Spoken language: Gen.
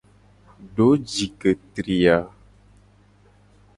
Do ji ke tri a.